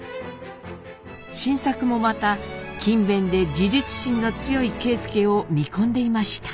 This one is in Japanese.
新作もまた勤勉で自立心の強い啓介を見込んでいました。